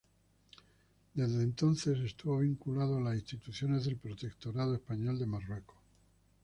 Desde entonces estuvo vinculado a las instituciones del Protectorado Español de Marruecos.